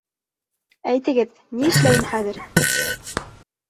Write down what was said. Әйтегеҙ, ни эшләйем хәҙер?